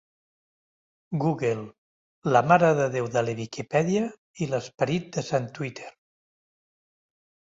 Google, la marededéu de la Viquipèdia i l'esperit de sant Twitter.